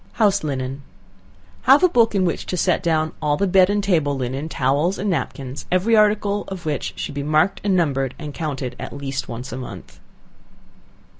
House Linen. Have a book in which to set down all the bed and table linen, towels and napkins; every article of which should be marked and numbered, and counted at least once a month.